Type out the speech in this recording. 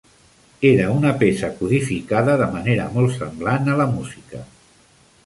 Era una peça codificada de manera molt semblant a la música.